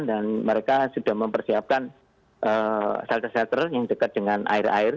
dan mereka sudah mempersiapkan shelter shelter yang dekat dengan air air